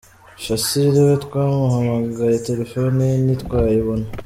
Shassir we twamuhamagaye telefoni ye ntitwayibona.